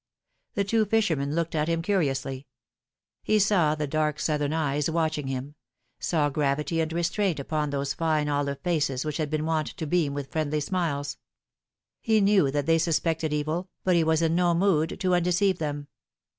The two fishermen looked at; him curiously. He saw the dark southern eyes watching him ; saw gravity and restraint upon those fine olive faces which bad been wont to beam with friendly smiles. He knew that they suspected evil, but he was in no mood to undeceive them.